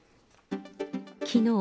きのう